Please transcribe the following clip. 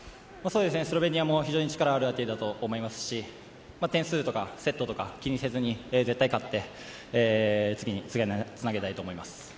スロベニアも非常に力がある相手だと思いますし点数とかセットとか気にせずに絶対勝って次につなげたいと思います。